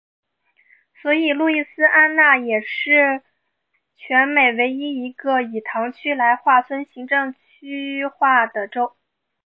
所以路易斯安那也是全美唯一一个以堂区来划分行政区划的州。